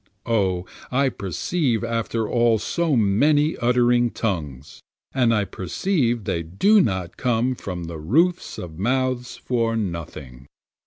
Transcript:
O I perceive after all so many uttering tongues, And I perceive they do not come from the roofs of mouths for nothing.